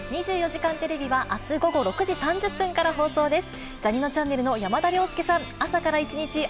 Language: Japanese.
２４時間テレビは、あす午後６時３０分から放送です。